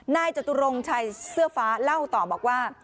จตุรงชัยเสื้อฟ้าเล่าต่อบอกว่า